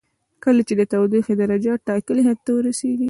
کله چې د تودوخې درجه ټاکلي حد ته ورسیږي.